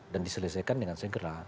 dan diselesaikan dengan segera